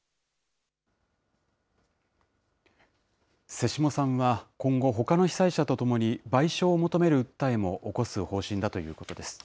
瀬下さんは今後、ほかの被災者とともに、賠償を求める訴えも起こす方針だということです。